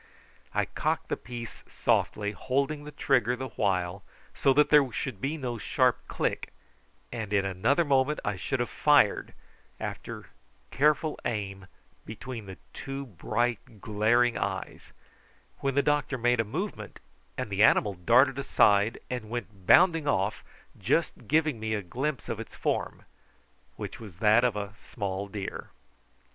I cocked the piece softly, holding the trigger the while, so that there should be no sharp click, and in another moment I should have fired, after careful aim, between the two bright glaring eyes, when the doctor made a movement, and the animal darted aside and went bounding off, just giving me a glimpse of its form, which was that of a small deer.